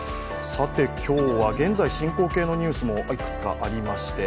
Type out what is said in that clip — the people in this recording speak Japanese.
さて今日は、現在進行形のニュースもいくつかありまして。